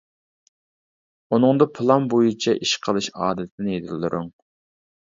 ئۇنىڭدا پىلان بويىچە ئىش قىلىش ئادىتىنى يېتىلدۈرۈڭ.